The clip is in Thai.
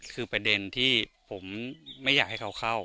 คือประเด็นที่ผมไม่อยากให้เขาเข้า